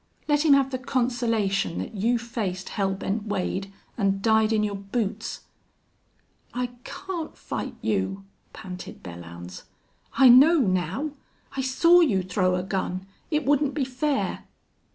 Let him have the consolation that you faced Hell Bent Wade an' died in your boots!" "I can't fight you!" panted Belllounds. "I know now!... I saw you throw a gun! It wouldn't be fair!"